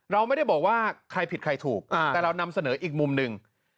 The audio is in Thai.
เราไม่ได้บอกว่าใครผิดใครถูกแต่เรานำเสนออีกมุมหนึ่ง